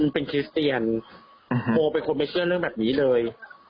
เป็นคริสเตียนโมเป็นคนไม่เชื่อเรื่องแบบนี้เลย